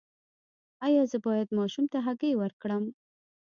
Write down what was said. ایا زه باید ماشوم ته هګۍ ورکړم؟